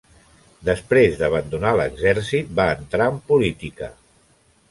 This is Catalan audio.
Després d'abandonar l'exèrcit, va entrar en política.